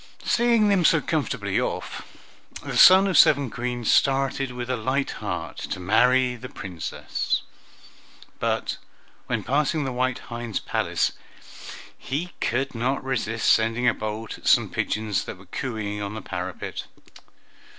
Seeing them so comfortably off, the son of seven Queens started with a light heart to marry the Princess; but when passing the white hind's palace he could not resist sending a bolt at some pigeons that were cooing on the parapet.